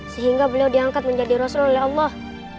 sehingga beliau diangkat menjadi rasul oleh allah